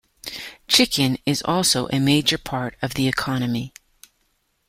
Chicken is also a major part of the economy.